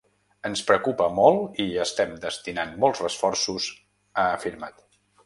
Ens preocupa molt i hi estem destinant molts esforços, ha afirmat.